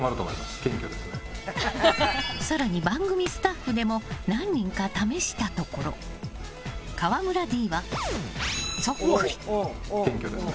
更に、番組スタッフでも何人か試したところ河村Ｄは、そっくり！